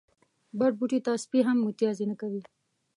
بد بوټي ته سپي هم متازې نه کوی